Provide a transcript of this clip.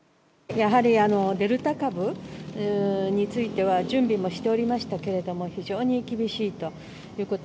やはりデルタ株については準備もしておりましたが非常に厳しいということ。